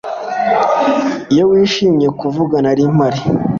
iyo wishimiye kuvuga Nari mpari